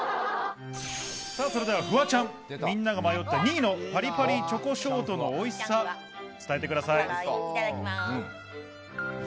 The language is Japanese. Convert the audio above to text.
それではフワちゃん、みんなが迷った２位のパリパリチョコショートのおいしさ伝えてください。